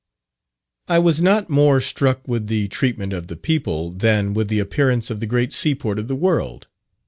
I was not more struck with the treatment of the people, than with the appearance of the great seaport of the world.